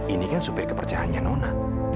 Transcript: ini kan supir kepercayaannya nona